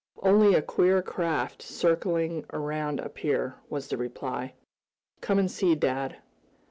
"Only a queer craft circling around up here," was the reply. "Come and see, dad."